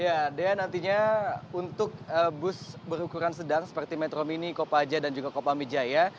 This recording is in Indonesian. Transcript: ya dea nantinya untuk bus berukuran sedang seperti metro mini kopaja dan juga kopamijaya